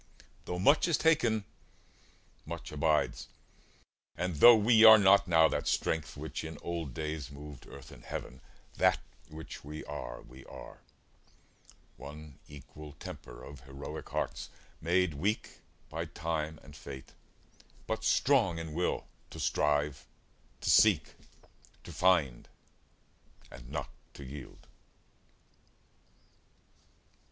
Tho' much is taken, much abides; and tho' We are not now that strength which in old days Moved earth and heaven, that which we are, we are; One equal temper of heroic hearts, Made weak by time and fate, but strong in will To strive, to seek, to find, and not to yield.